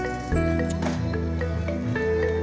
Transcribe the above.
jangan lupa subscribe channel tujuh